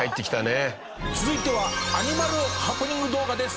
続いてはアニマルハプニング動画です。